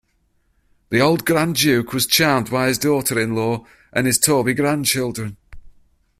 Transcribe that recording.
The old grand duke was charmed by his daughter-in-law and his Torby grandchildren.